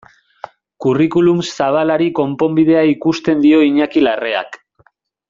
Curriculum zabalari konponbidea ikusten dio Iñaki Larreak.